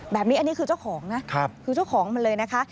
แบบนี้อันนี้คือเจ้าของนะคือเจ้าของมันเลยนะคะ